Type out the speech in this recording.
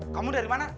kamu dari mana